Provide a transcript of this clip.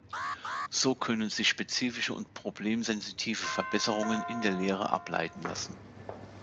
So können sich spezifische und problem-sensitive Verbesserungen in der Lehre ableiten lassen.